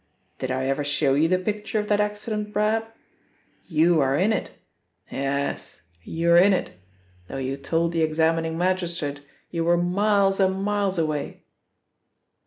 Did I ever show you the picture of that accident, Brab? You are in it! Yes, you're in it, though you told the examining magistrate you were miles and miles away!"